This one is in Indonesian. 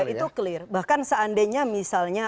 oh ya itu clear bahkan seandainya misalnya